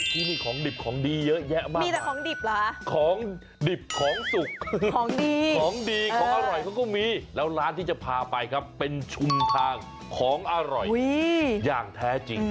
ที่นี่ของดิบของดีเยอะแยะมากมีแต่ของดิบเหรอฮะของดิบของสุกของดีของดีของอร่อยเขาก็มีแล้วร้านที่จะพาไปครับเป็นชุมทางของอร่อยอย่างแท้จริง